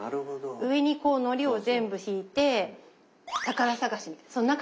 上にこうのりを全部ひいて宝探しみたいな。